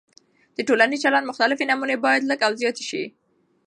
د ټولنیز چلند مختلفې نمونې باید لږې او زیاتې سي.